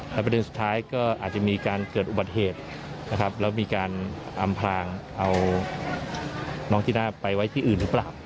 และประเด็นสุดท้ายก็อาจจะมีการเกิดอุบัติเหตุนะครับแล้วมีการอำพลางเอาน้องจีน่าไปไว้ที่อื่นหรือเปล่า